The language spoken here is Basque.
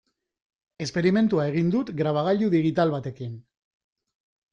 Esperimentua egin dut grabagailu digital batekin.